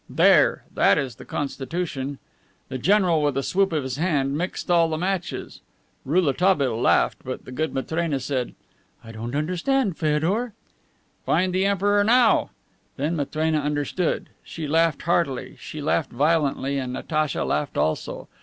There! That is the Constitution." The general, with a swoop of his hand, mixed all the matches. Rouletabille laughed, but the good Matrena said: "I don't understand, Feodor." "Find the Emperor now." Then Matrena understood. She laughed heartily, she laughed violently, and Natacha laughed also.